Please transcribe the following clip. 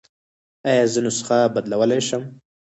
ایا زه نسخه بدلولی شم؟